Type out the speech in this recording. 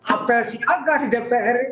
apresi agar di dpr ini